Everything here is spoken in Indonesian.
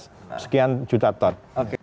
nah surplus beras sekian juta ton